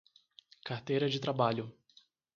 Carteira de trabalho